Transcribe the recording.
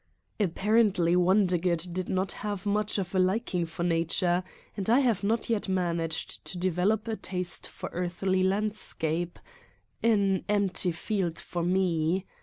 Apparently Wondergood did not have much of a liking for nature, and I have not yet managed to develop a taste for earthly landscape: an empty field for me.